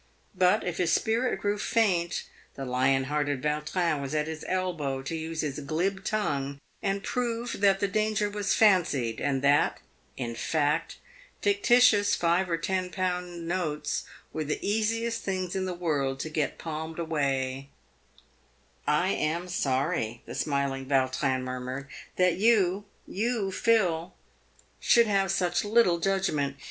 But, if his spirit grew faint, the lion hearted Vautrin was at his elbow to use his glib tongue and prove that the danger was fancied, and that, in fact, fictitious five or ten pound notes were the easiest things in the world to get palmed away, " I am sorry," the smiling Vautrin murmured, " that you — you, Phil — should have such little judgment.